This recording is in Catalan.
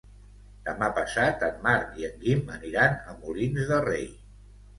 Demà passat en Marc i en Guim aniran a Molins de Rei.